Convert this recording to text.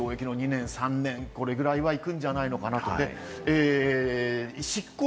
私は懲役の２年か３年、これぐらいいくんじゃないかなと。